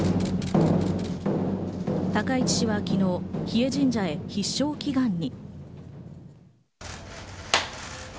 高市氏は昨日、日枝神社に必勝祈願に。